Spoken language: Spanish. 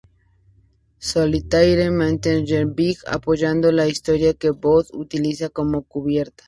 Solitaire miente al Sr. Big, apoyando la historia que Bond utilizaba como cubierta.